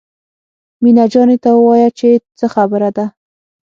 مينه جانې ته ووايه چې څه خبره ده.